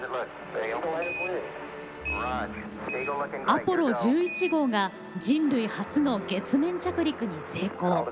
アポロ１１号が人類初の月面着陸に成功。